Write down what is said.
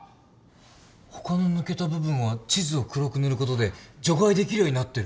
他の抜けた部分は地図を黒く塗ることで除外できるようになってる。